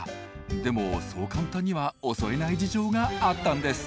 でもそう簡単には襲えない事情があったんです。